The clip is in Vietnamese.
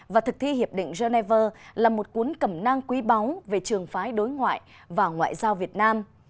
và thực thi hiệp định geneva là một cuốn cẩm nang quý báu về trường phái đối ngoại và ngoại giao việt nam